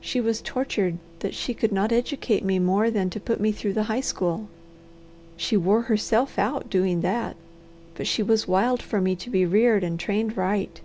She was tortured that she could not educate me more than to put me through the high school. She wore herself out doing that, but she was wild for me to be reared and trained right.